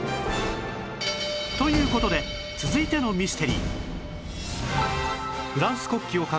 という事で続いてのミステリー